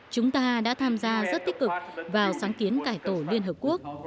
chúng ta đã tham gia rất tích cực vào sáng kiến cải tổ liên hợp quốc